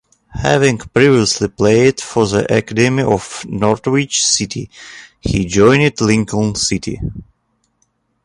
Having previously played for the academy at Norwich City he joined Lincoln City.